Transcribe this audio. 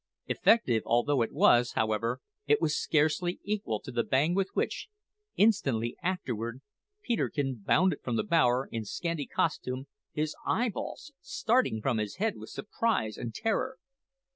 Effective although it was, however, it was scarcely equal to the bang with which, instantly after, Peterkin bounded from the bower, in scanty costume, his eyeballs starting from his head with surprise and terror.